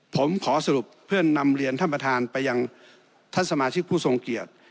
ผมขอสรุปเพื่อนำเรียนท่านประธานไปยังท่านสมาชิกผู้ทรงเกียจ